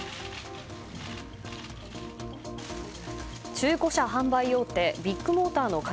中古車販売大手ビッグモーターの兼